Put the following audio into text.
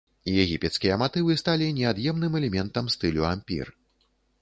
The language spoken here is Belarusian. Егіпецкія матывы сталі неад'емным элементам стылю ампір.